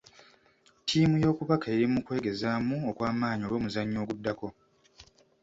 Ttiimu y'okubaka eri mu kwegezaamu okw'amaanyi olw'omuzannyo oguddako.